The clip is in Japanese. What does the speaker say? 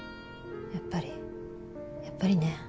やっぱりやっぱりね。